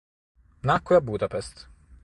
Nacque a Budapest.